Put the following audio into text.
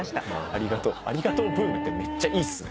ありがとうブームってめっちゃいいっすね。